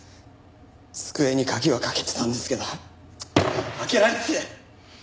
机に鍵はかけてたんですけど開けられてて。